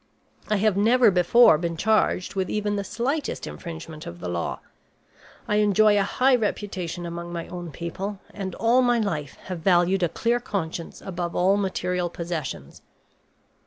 I have never before been charged with even the slightest infringement of the law; I enjoy a high reputation among my own people, and all my life have valued a clear conscience above all material possessions.